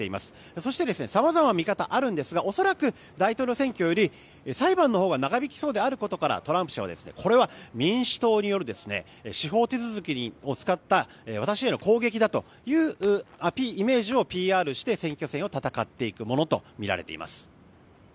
そして、さまざまな見方があるんですが恐らく大統領選挙より裁判のほうが長引きそうであることからトランプ氏はこれは民主党による司法手続きを使った私への攻撃だというイメージをＰＲして選挙戦を戦っていくものとみられています。